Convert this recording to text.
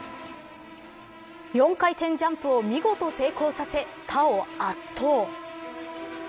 ４回転ジャンプを見事、成功させ他を圧倒。